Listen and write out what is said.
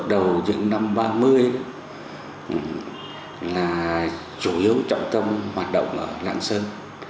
năm ba mươi là chủ yếu trọng tâm hoạt động ở lạng sơn